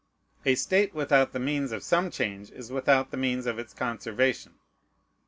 A state without the means of some change is without the means of its conservation.